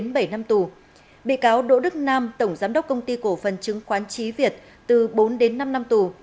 bị cáo đỗ đức nam tổng giám đốc công ty cổ phần chứng khoán trí việt